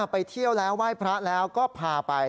ไปเที่ยวแล้วไหว้พระแล้วก็พาไป